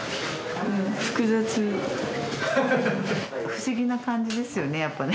不思議な感じですよねやっぱね。